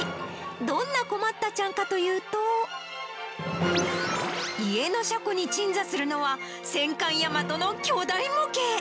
どんな困ったチャンかというと、家の車庫に鎮座するのは、戦艦大和の巨大模型。